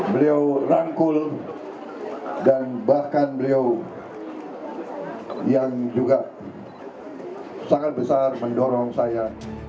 beliau rangkul dan bahkan beliau yang juga sangat besar mendorong saya